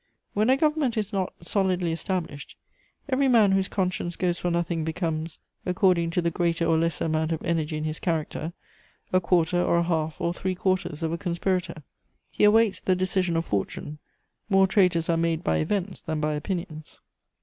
When a government is not solidly established, every man whose conscience goes for nothing becomes, according to the greater or lesser amount of energy in his character, a quarter, or a half, or three quarters of a conspirator; he awaits the decision of fortune: more traitors are made by events than by opinions.